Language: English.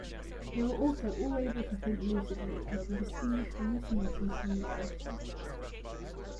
They were also all able to think lucidly and could distinguish hallucinations from reality.